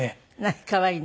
可愛いの？